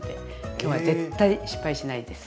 今日は絶対失敗しないです。